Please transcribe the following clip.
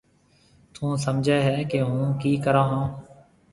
ٿُون سمجهيََ هيَ ڪي هُون ڪِي ڪرون هون۔